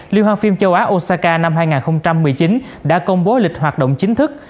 liên hoan phim châu á osaka năm hai nghìn một mươi chín đã công bố lịch hoạt động chính thức